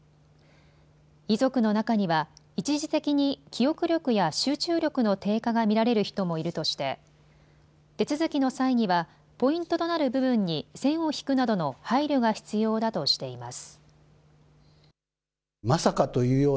遺族の中には一時的に記憶力や集中力の低下が見られる人もいるとして手続きの際にはポイントとなる部分に線を引くなどの配慮が必要だとしています。